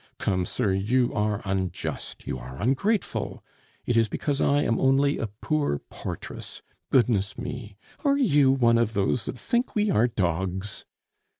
Come, sir, you are unjust! You are ungrateful! It is because I am only a poor portress. Goodness me! are you one of those that think we are dogs?